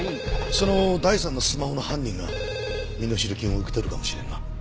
その第３のスマホの犯人が身代金を受け取るかもしれんな。